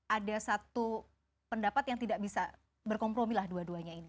ada satu pendapat yang tidak bisa berkompromi lah dua duanya ini